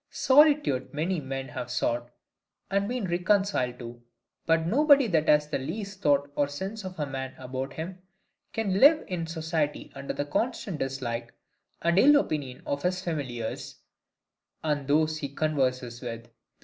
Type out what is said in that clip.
Solitude many men have sought, and been reconciled to: but nobody that has the least thought or sense of a man about him, can live in society under the constant dislike and ill opinion of his familiars, and those he converses with.